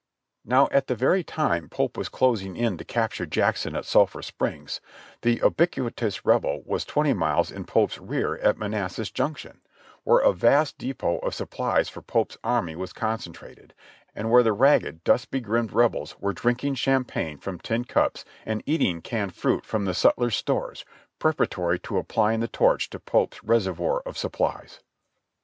12, p. 67.) Now at the very time Pope was closing in to capture Jackson at Sulphur Springs, that ubiquitous Rebel was twenty miles in Pope's rear at Manassas Junction, where a vast depot of supplies for Pope's army was concentrated, and where the ragged, dust begrimed Rebels were drinking champagne from tin cups and eating canned fruit from the sutlers' stores, preparatory to apply ing the torch to Pope's reservoir of supplies.